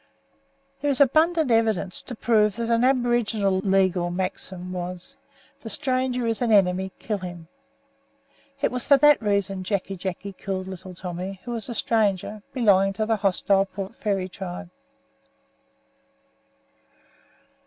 There is abundant evidence to prove that an aboriginal legal maxim was, "The stranger is an enemy, kill him." It was for that reason Jacky Jacky killed Little Tommy, who was a stranger, belonging to the hostile Port Fairy tribe.